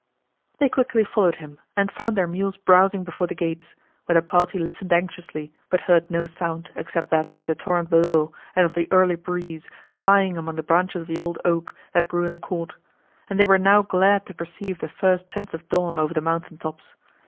They quickly followed him, and found their mules browsing before the gates, where the party listened anxiously, but heard no sound, except that of the torrent below and of the early breeze, sighing among the branches of the old oak, that grew in the court; and they were now glad to perceive the first tints of dawn over the mountain tops.